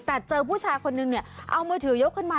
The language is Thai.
แต่เจอผู้ชายคนนึงเอาเมอร์ถือยกขึ้นมา